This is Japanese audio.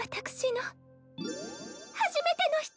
初めての人。